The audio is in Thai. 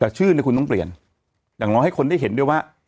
แต่ชื่อเนี่ยคุณต้องเปลี่ยนอย่างน้อยให้คนได้เห็นด้วยว่า